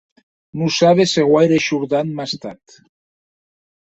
Non sabes se guaire shordant m'a estat.